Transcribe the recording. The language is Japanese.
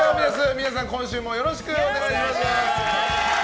皆さん、今週もよろしくお願いします。